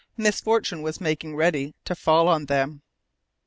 misfortune was making ready to fall on them.